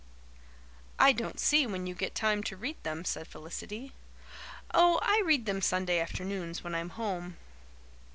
"I don't see when you get time to read them," said Felicity. "Oh, I read them Sunday afternoons when I'm home."